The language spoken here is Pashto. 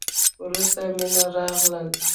وروسته مينه راغله.